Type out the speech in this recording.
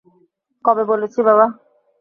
কবে বলেছি, বাবা?